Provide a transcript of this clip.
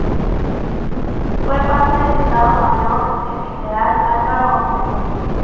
Fue parte del estado mayor del general Álvaro Obregón.